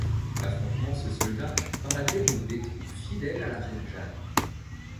L’affrontement se solda par la déroute des troupes fidèles à la reine Jeanne.